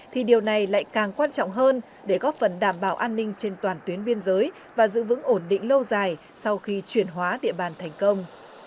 thì điều này lại càng quan trọng hơn để góp phần đảm bảo an ninh trên toàn tuyến biên giới và giữ vững ổn định lâu dài sau khi chuyển hóa địa bàn thành công